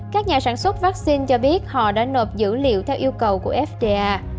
các nhà sản xuất vaccine cho biết họ đã nộp dữ liệu theo yêu cầu của fda